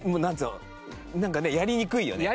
なんかねやりにくいよね。